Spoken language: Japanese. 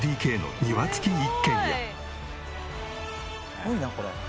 すごいなこれ。